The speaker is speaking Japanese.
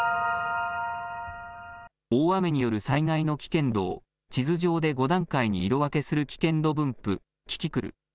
大雨による災害の危険度を地図上で５段階に色分けする危険度分布・キキクル。